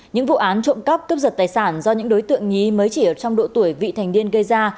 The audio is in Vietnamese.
những vụ án trộm cắp cướp giật tài sản do những đối tượng nhí mới chỉ ở trong độ tuổi vị thành niên gây ra